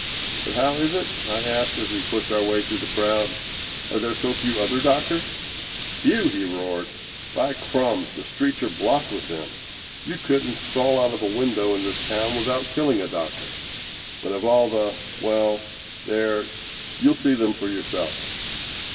"But how is it?" I asked, as we pushed our way through the crowd, "are there so few other doctors?" "Few!" he roared. "By Crums, the streets are blocked with them. You couldn't fall out of a window in this town without killing a doctor. But of all the well, there, you'll see them for yourself.